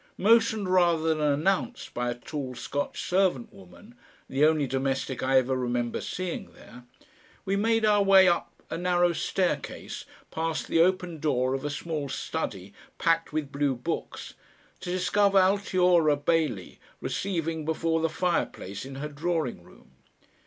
Motioned rather than announced by a tall Scotch servant woman, the only domestic I ever remember seeing there, we made our way up a narrow staircase past the open door of a small study packed with blue books, to discover Altiora Bailey receiving before the fireplace in her drawing room.